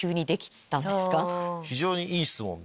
非常にいい質問で。